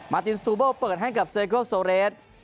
มาร์ตินสตูเบิ้ลเปิดให้กับเซเกอร์โซเลส